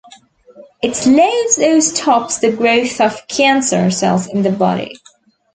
It slows or stops the growth of cancer cells in the body.